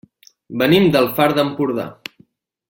Venim del Far d'Empordà.